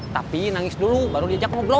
tapi nangis dulu baru diajak ngobrol